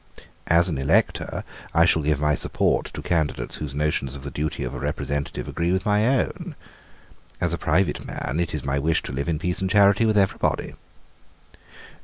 As an elector, I shall give my support to candidates whose notions of the duty of a representative agree with my own. As a private man, it is my wish to live in peace and charity with every body."